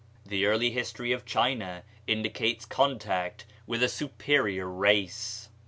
The early history of China indicates contact with a superior race.